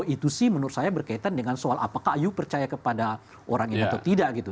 itu sih menurut saya berkaitan dengan soal apakah ayo percaya kepada orang itu atau tidak gitu